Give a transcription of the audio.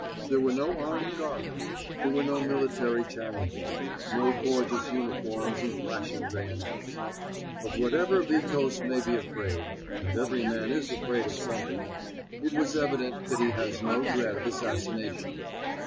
There were no armed guards. There were no military challenges—no gorgeous uniforms and flashing bayonets. Of whatever Witos may be afraid—and every man is afraid of something—it was evident that he has no dread of assassination.